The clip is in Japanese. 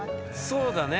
そうだね。